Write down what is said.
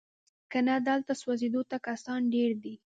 کنه دلته سوځېدو ته کسان ډیر دي